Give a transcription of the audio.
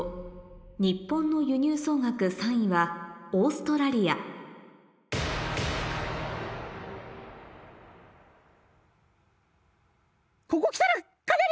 日本の輸入総額３位はオーストラリアここ来たらかなり！